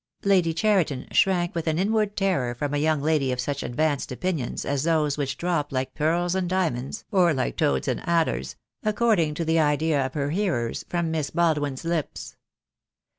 Lady Cheriton shrank with an inward terror from a young lady of such advanced opinions as those which dropped like pearls and diamonds — or like toads and adders — accord ing to the idea of her hearers — from Miss Baldwin's lips.